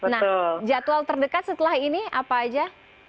nah jadwal terdekat setelah ini apa aja